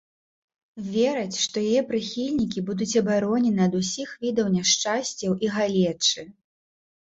Вераць, што яе прыхільнікі будуць абаронены ад усіх відаў няшчасцяў і галечы.